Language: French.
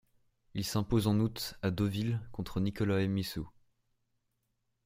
Il s'impose en août à Deauville contre Nicolae Misu.